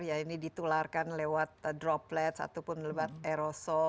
ya ini ditularkan lewat droplet ataupun lewat aerosol